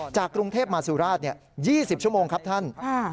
กรุงเทพมาสุราช๒๐ชั่วโมงครับท่าน